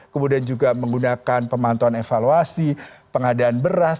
kemudian juga menggunakan pemantauan evaluasi pengadaan beras